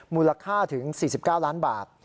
มูลค่าถึง๔๙ล้านบาท